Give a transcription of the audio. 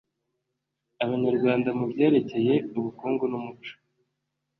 abanyarwanda mu byerekeye ubukungu numuco